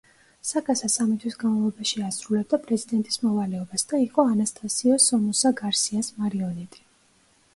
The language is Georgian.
საკასა სამი თვის განმავლობაში ასრულებდა პრეზიდენტის მოვალეობას და იყო ანასტასიო სომოსა გარსიას მარიონეტი.